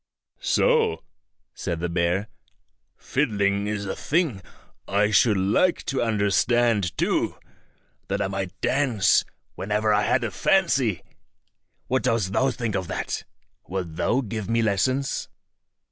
"So," said the bear; "fiddling is a thing I should like to understand too, that I might dance whenever I had a fancy. What dost thou think of that? Wilt thou give me lessons?"